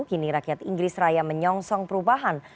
kini rakyat inggris raya menyongsong perubahan